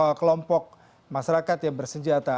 ini terkait dengan keberadaan kelompok masyarakat yang bersenjata